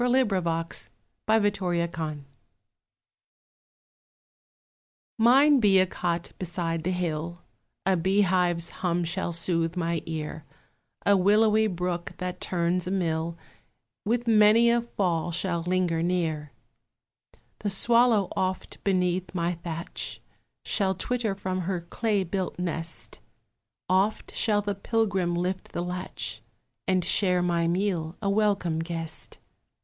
TASTES AND PREFERENCES A WISH Mine be a cot beside the hill; A bee hive's hum shall soothe my ear; A willowy brook, that turns a mill, With many a fall shall linger near. The swallow oft beneath my thatch Shall twitter from her clay built nest; Oft shall the pilgrim lift the latch And share my meal, a welcome guest.